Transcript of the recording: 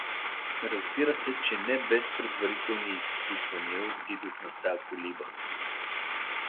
Разбира се, че не без предварителни изпитвания отидох на тая колиба.